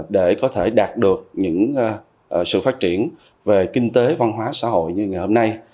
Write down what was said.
để có thể đạt được những sự phát triển về kinh tế văn hóa xã hội như ngày hôm nay